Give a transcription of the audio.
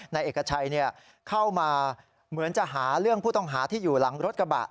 นายเอกชัยเข้ามาเหมือนจะหาเรื่องผู้ต้องหาที่อยู่หลังรถกระบะ